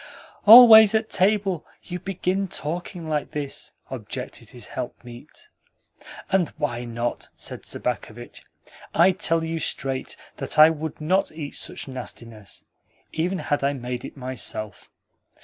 "Always at table you begin talking like this!" objected his helpmeet. "And why not?" said Sobakevitch. "I tell you straight that I would not eat such nastiness, even had I made it myself.